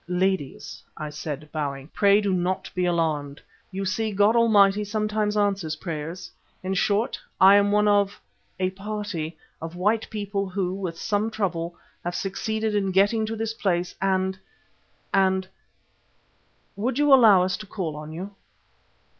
"Ladies," I said, bowing, "pray do not be alarmed. You see God Almighty sometimes answers prayers. In short, I am one of a party of white people who, with some trouble, have succeeded in getting to this place and and would you allow us to call on you?"